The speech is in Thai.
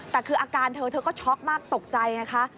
แต่คืออาการเธอเธอก็ช็อกมากตกใจไงคะ